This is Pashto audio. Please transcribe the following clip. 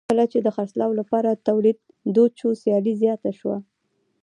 کله چې د خرڅلاو لپاره تولید دود شو سیالي زیاته شوه.